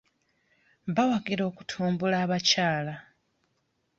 Bawagira okutumbula abakyala.